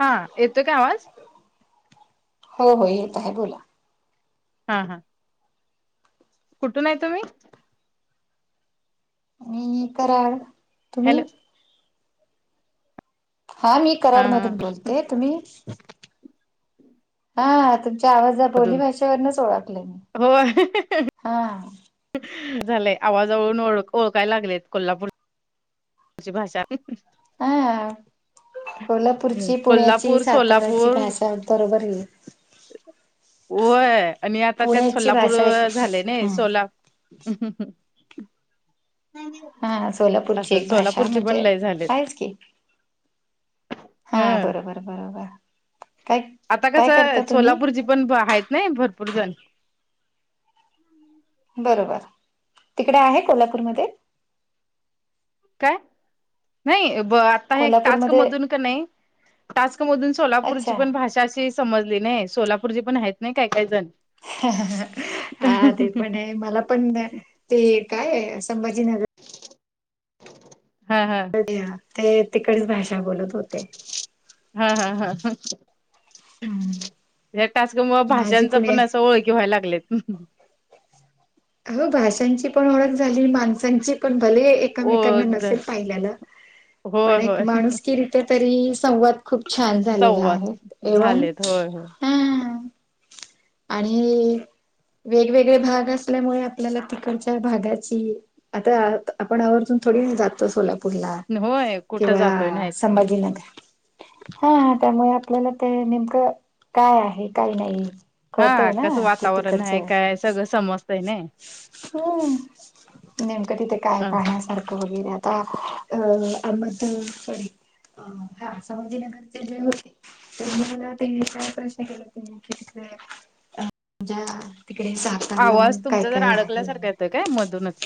हा ये. हो हो येत आहे बोला. हा हा. कुठून आहे तुम्ही? कराल हॅलो तुम्ही? हा मी कराड मधून बोलते तुम्ही हा तुमच्या आवाज बोली मधून भाषेवरनच ओळखलं मी होय हा. झालंय आवाजवळून ओळख ओळखाय लागलेत कोल्हापूर ची भाषा हा. कोल्हापूरची पुण्याची कोल्हापूर सातार्याची सोलापूर भाषा बरोबर आहे. होय आणि आता त्यात पुण्याची सोलापूर भाषा एक झाले नाही हम्म सोलाप ह. हा सोलापूरची असं एक भाषा सोलापूरचे पण म्हणजे, लय झालेत आहेच की ह हा बरोबर बरोबर. काय आता काय करता कसं तुम्ही सोलापूरची पण आहेत नाही भरपूर जण बरोबर तिकडे आहे कोल्हापूरमध्ये काय नाही ब आता कोल्हापूरमध्ये टास्कमधून का नाही टास्क मधून सोलापूरची अच्छा पण भाषा अशी समजली नाही सोलापूर जी पण आहेत नाही काय काय जण हा ते पण आहे मला पण ते काय संभाजीनगर हा हा. ते तिकडेच भाषा बोलत होते. हा हा हा ह. हम्म या, टास्क मूळ माझी भाषांचा पुणे पण असं ओळखी व्हायला लागलेत. हो भाषांची पण ओळख झाली माणसांची पण भले एमेकांना ओळख झा नसेल पाहिल्या होय पण एक होय माणूस तरी संवाद खूप छान झालेले संवाद आहेत एवन झालेत होय होय आणि वेगवेगळे भाग असल्यामुळे आपल्याला तिकडच्या भागाची आता आपण आवरतून थोडी जातचो ला ूरला होय कुठं किंवा जातोय नाहीच की संभाजीनगर हा त्यामुळे आपल्याला ते नेमकं काय आहे काही नाही. हा कळतय ना कसं ते वातावरण तिकडचं आहे काय सगळं समजत आहे नाही. हम्म नेमकं तिथे काय असं. पाहण्यासारखं. वगैरेता अ अहमदडे अ हा संभाजीनगरचे ज होते. तर मला ते काय प्रश्न केला त तथडे अझ्या तिकडे स आवाज तुमचा जर अडकल्यासारखा येतं काय मधूनच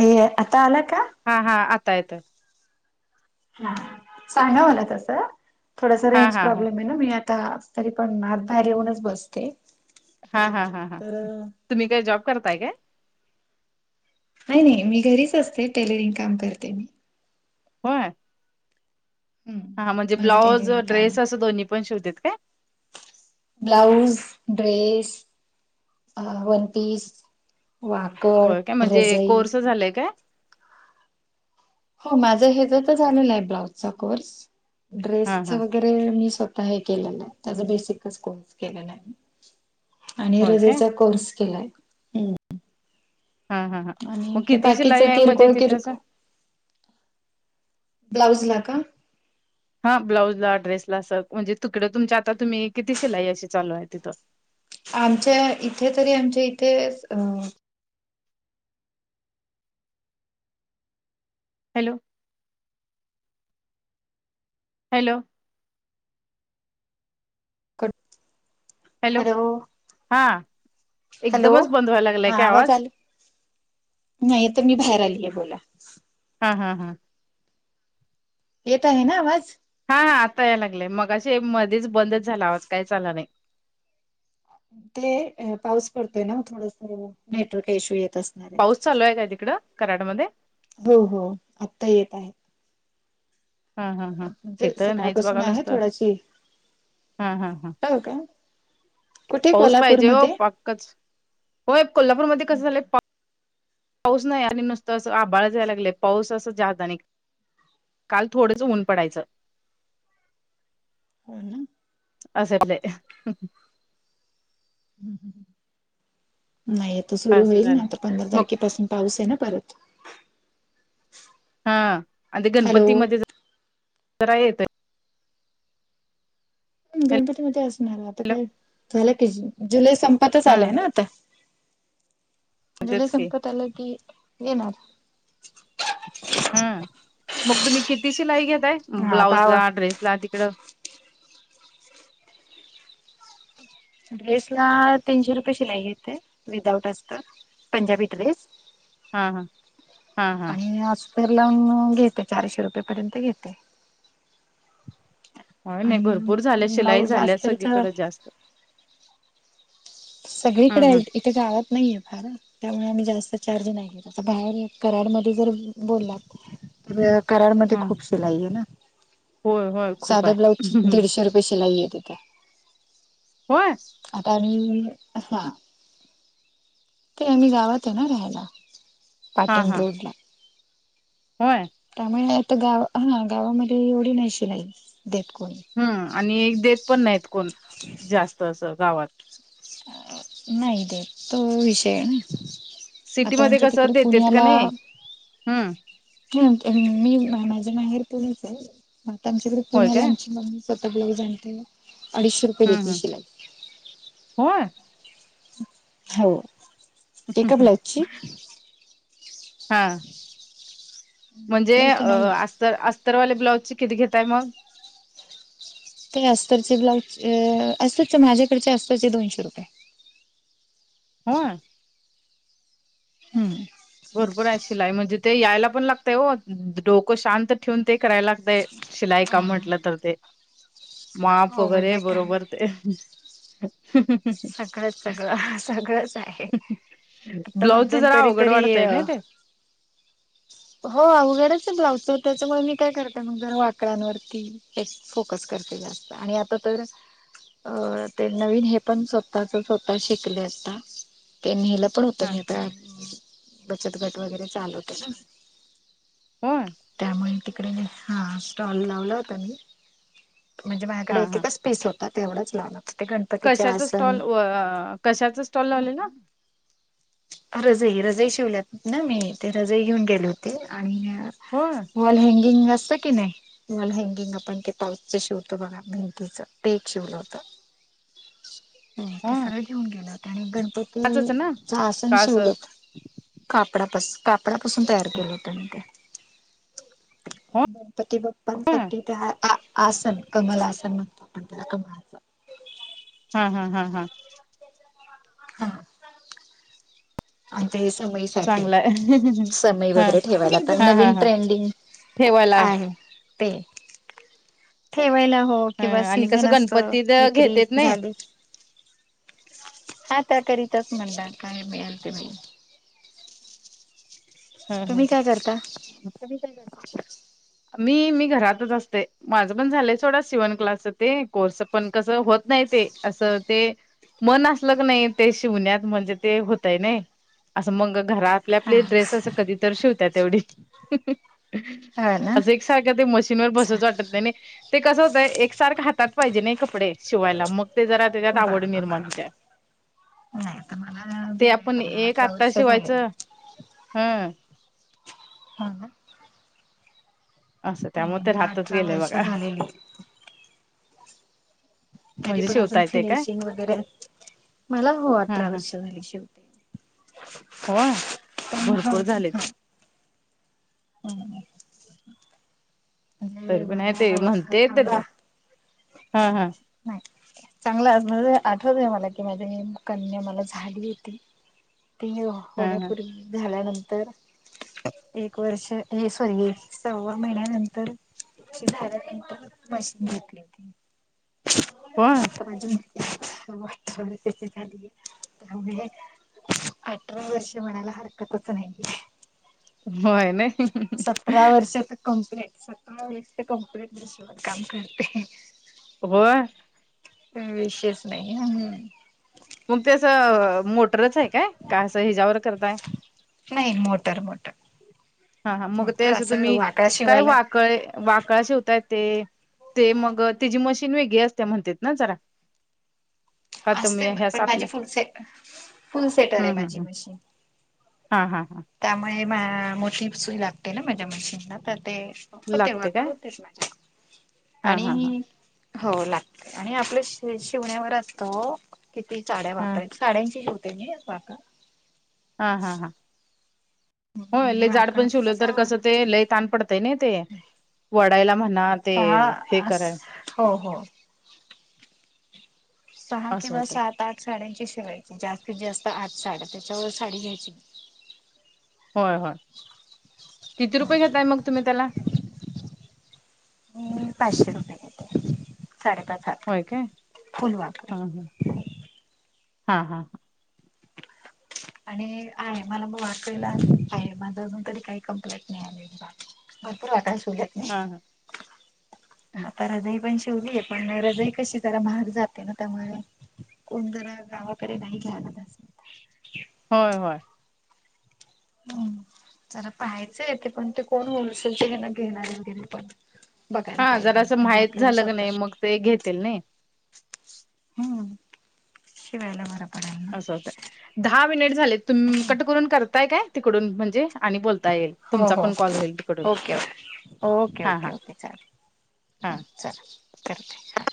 अ आता आला का? हा हा आता येत. हा सांगा मला तसं थोडस हा रेंज हा हा प्रॉब्लेम आहे. मी आता तरी पण नात बाहेर येऊनच बसते. हा हा हा हा तर तुम्ही काय जॉब करताय काय? ह नाही मी घरीच असते टेलरिंग काम करते मी हो. हा म्हणजे हम्म माझं ब्लाऊज टेलरिंग काम ड्रेस आहे असं दोन्ही पण, शिवते काय? ब्लाऊज ड्रेस अ वन पीस वाकड रजाई झालंय काय? हो माझं हेच तर झालेलं आहे ब्लाऊजचा कोर्स ड्रेस हा व हा वरे मी स्वतः हे केलेलं आहे त्याचा बेसिकच कोर्स केले नाही. आणि होय काय रजेचा कोर्स केलाय. हा हा हा आणि मग हे किती बाकीच शिलाई आहे म्हणजे किरकोळ, तिथं असं किरकोळ ब्लाऊज ला का हा ब्लाउजला ड्रेसला असग म्हणजे तुकडें तुमच्या आता तुम्ही किती शिलाई अशी चालू आहे तिथं आमच्या इथे तरी आमच्या इथे हॅलो हॅलो खट हॅलो हा हॅलो एकदमच बंद व्हायला लागलाय हा काय आवाज आला नाही तर मी बाहेर आलीय बोला हा, हा, हा येत आहे ना आवाज हा आता याय लागलंय मगाशी मध्येच बंदच झाला आवाज काही च आला नाही ते पाऊस पडतोय ना थोडस नेटवर्क इश्यू येत असत पाऊस चालू आहे काय तिकडं कराडमध्ये हो, हो आत्ता येत आहेत हा, हा, हा हे म्हणजे तर नाहीच सकाळपासून बघा आहे नुसत थोडाशी हम, हम, हम हो का कुठे पाऊस पाहिजे हो कोल्हापूरमध्ये हो कोल्हापूरमध्ये कस झालंय पाऊस नाही आणि नुसतं असं आबााळ जायला लागलंय पाऊस असं जाात आणि काल थोडंसं ऊन पडाचं हो ना आ सर्ले नाही तर सुरु असं होईल ना झालं आता पंधरा मग तारखेपासून पाऊस आहे ना परत हा आणि ते हॅलो गणपतीमध्ये जरा येत गणपती मध्ये असणार आता हॅलो काय झालं की जुलै संपतच आलाय हा ना आता जुल तेच की संपत आलं की येणार हम्म मग तुम्ही किती शिलाई घताय हा ब्लाउज आता ला ड्रेस ला तिकड ड्रेस ला तीनशे रुपये शिलाई घेते विदाउट असत पंजाबी ड्रेस हा, हा हा हा आणि असज फर लावून घेते चारशे रुपये पर्यंत घेते होय नाही आणि भरपूर झाल्या शिलाई ब्लाऊज झाल्या अस्तरच सगळीकडे जास्त सगळीकडे हम्म हम्म इथे गावात नाहीये फार त्यामुळे आम्ही जास्त चार्ज नाही घेत आ बाहेर कराडमध्ये जर बोललात तर कराडमध्ये हम्म खूप सिलाई आहे ना होय होय खूप साधा ब्लाऊज आहे दीडशे रुपये शिलाई ये इथ होय आता म अछा ते आम्ही गावाातो ना राहिला हा पाटण हा रोड ला होय त्यामुळे आता गाव हा गावामध्ये एवढी नाहीशि नाहीई देत कोणी हम्म आणि एक देत पण नाहीत कोण जास्त असं गावात अ नाही ते तो विषय ना आता सिटीमध्ये आच्या तिकडे कसं देतेत का पुण्याला नाही हम्म हा मी माझ्या माहेर पुणेच आहे आता आमच्याकडे होय पुण्या आला काय आमची मम्मी सतक लोक जणते अडीचशे रुपये हम्, देते हम् शिलाई होय हो एका ब्लाऊजची हा म्हणजे आपल्या इथे अ नाही. अस्तर अस्तरवाले ब्लाउजचे किती घेताय मग? ते अस्तरचे ब्लाउजचे अस्तरचे माझ्याकडचे अस्तरचे दोनशे रुपये हा हम्म. भरपुर आहे शिलाय म्हणजे ते यायला पण लागतय ओ डोकं शांत ठेऊून ते करायला लागतय शिलाई काम म्हटलं तर ते. माप हो वगैरे म्हणजे काय बरोबर ते सगळंच सगळं सगळंच आहे आता ब्लाउजच मधन जरा तरी अवघड तरी वाटतय ना ते [unintelligible] हो अवघडच आहे ब्लाउजच तर त्याच्यामुळे मी काय करते मग जर वाकडांवरती तेच फोकस करतेत आणि आता तर ते नवीन हे पण स्वतःच स्वतः शिकले आता ते नेलं पण होत हा मी-' बचत गट वगैरे चालवते ना मी हो त्यामुळे हा स्टॉल लावला होता मी म्हणजे हा माझ्याकडे एक हा एकच पीस होत तेवढाच लावणार ते गणपती कशाचा स्टॉल व कशाचा स्टॉल लावलेला? रजई रजई शिवल्यात ना मी ते रजई घेऊन गेले होते आणि होय. वॉल हँगिंग असतं की नाही. वाँल हँंगिंग आपण ते पाऊसच शिवतो बघा भेंतीच ते एक शिवलं होत. हो ते सगळं घेऊन गेलं होत आणि गणपती आचच ना? आासन का शिवल असं होत. कापडापासून कापडापासून तयार केलं होत मी ते. हो. गणपती हा बाप्पांसाठी ते ह आ आसन कमल आसन म्हणतात आपण त्याला कमळाच. हा हा हा हा हम [unintelligible] चांगलाय अ समई वगैरे ठेवायला तर हहं हा नवीन हा.. ट्रेंडिंग ठेवायला. आहे ते ठेवायला हो किंवा हं आणि सीझन कसं असत गणपतीत विक्री घेतेत नाही झाली. हा त्या करीताच म्हणता काय मिळाल ते मिलं हमम.. तुम्ही काय करता [unintelligible] मी मी घरातच असते. माझं पण झालंय सोडा सिवन क्लासच ते कोर्स. पण कसं होत नाही ते असं ते. मन असलं की नाही ते शिवण्यात. म्हणजे ते होतय नाही. असं मग घर आपले हा आपले ड्रेस असं कधी तर शिवत तेवढी. हः.. ह ना असं एक सारखं ते मशीनवर अच्छा बसूचं वाटत नाहीनी. ते कसं होतंय एकसारखं हातात पाहिजे नाही कपडे शिवायला मग. ते जरा त्याच्यात आवडी बरोबर निर्माण बरोबर होत्या. नाही तर मला ते झाले आपण आता मला एक अठरा आत्ता वर्ष झालेली शिवायचं हं हा हा असं त्यामुळे ते मला राहतच अठरा गेलेय वर्ष बघा. झालेली तरी म्हणजे पण अजून शिवता येते काय फिनिशिंग वगैरे मला हो हा अठरा हा वर्ष झाली शेवटी होय? प ह ह [unintelligible] हम् [unintelligible] तरी पण हाय मला तेम्हणतेत चांगला कां हा चांगलं आठ आठवतय, मला की माझी कन्या मला झाली होती. ती, हा हा होण्यापूर्वी झाल्यानंतर एक वर्षे ये सोयली सव्वा महिन्यानंतर [inaudible] मशीन घेतली होती. होय. [unintelligible] अठरा वर्ष म्हणायला हरकतचं नाहीे. होय, नाय अहह सतरा वर्ष तर कंप्लीट सतरा वर्ष कंप्लीट मशीन वर काम करते. होय. विशेष नाही हम. मग ते असं मोटरच आहे, काय काय असं हॆच्या्वर करताय? नाही मोटर बोटर हा हा मग त्या दिवशी तुम्ही, वाकळा काय शिवायला वाकळ वा काय शिवतायत? ते मग तेजी मशीन वेगळी असत्या म्हणतात ना जरा. [inaudible] असते तुम्ही म ह्याच पण माझी आपल्या फुल सेटर फुल सेटर आहे हम्म हम्म माझी हम्म मशीन. हा हा हा. त्यामुळे मा मोठी सुई लागते ना माझ्या मशीनला तर, ते हो तेव्हा लागते का काय होतेच, माझ्या हा आणि हा हा मी हो लागतं, आणि आपल्या शिवण्यावर असत ओ किती साड्या हा वापराच्या? साड्यांचे शिवते मी वाकळा. हा हा हा होय म्हणजे लय जाड वाकड पण शिवले, तर कसं ते लय ताण पडतय न ते वडायला म्हणा ते हा हे ह कराय हो हो हो. सहा असं किंवा होतं सात आठ साड्यांची शिवायची जास्तीत जास्त आठ साड्या त्याच्यावर साडी घ्यायची होय होय किती रुपये घेताय, मग तुम्ही त्याला? मी पाचशे रुपये घेते साडेपाच हात होय, काय फुल वाकड हा हा हा हा हा. [inaudible] आणि आहे [unintelligible] अजून काही कंप्लेंट नाही आलेली बा. भरपूर वाकळा शिवल्यात नी. [inaudible] आता रजई पण शिवलीय पण रजाई काशी, जरा महाग जाते ना त्यामुळे गावा कडे नाही घ्यायला पाहिजे. होय होय. हम्म! जरा पाहायचं येते पण ते कोण होलसेल ते घेणार घेणारचं तेनी पण बघायला हा पाहिजे जरास म्हणजे माहित आपल्याला झालं, क स्वतः नाही मग ते घेतील नाही. हम्म! शिवायला बर पडलं. [unintelligible] दहा मिनिट झाले तुम कट करून करताय काय तिकडून म्हणजे? आणि बोलता येईल, हो तुमचा हो पण कॉल होईल तिकडून हा हा. हा हा चला, करते हा.